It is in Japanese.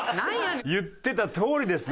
言ってたとおりですね